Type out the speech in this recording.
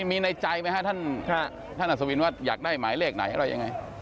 มีในใจไหมฮะท่านอัศวินว่าอยากได้หมายเลขไหนอะไรยังไง